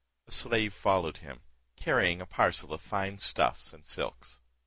A slave followed him, carrying a parcel of fine stuffs and silks.